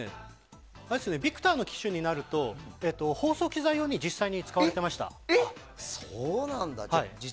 ビクターの機種になると放送機材用に実際に使われてました。